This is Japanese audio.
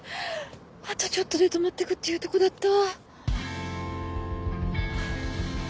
あとちょっとで「泊まってく」って言うとこだった！